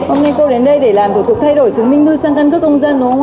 hôm nay cô đến đây để làm thủ tục thay đổi chứng minh thư sang căn cước công dân đúng không ạ